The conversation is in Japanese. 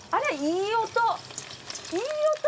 いい音！